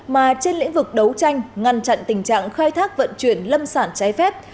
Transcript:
mà trên lĩnh vực đấu tranh ngăn chặn tình trạng khai thác vận chuyển lâm sản trái phép